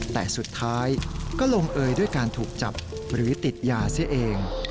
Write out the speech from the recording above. แต่สุดท้ายก็ลงเอยด้วยการถูกจับหรือติดยาเสียเอง